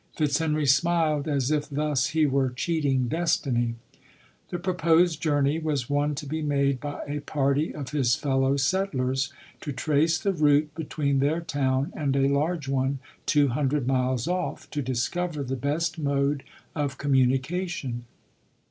Fitz henry smiled as if thus he were cheating destiny. The proposed journey was one to be made by a ] tarty of his fellow settlers, to trace the route between their town and a large one, two hundred miles off, to discover the best mode of communication.